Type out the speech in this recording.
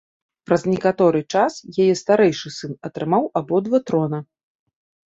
Праз некаторы час яе старэйшы сын атрымаў абодва трона.